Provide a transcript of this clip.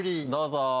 どうぞ！